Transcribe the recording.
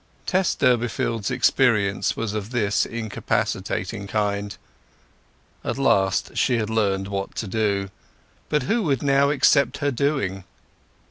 Tess Durbeyfield's experience was of this incapacitating kind. At last she had learned what to do; but who would now accept her doing?